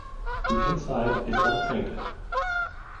The inside is unpainted.